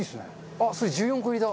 あっそれ１４個入りだ。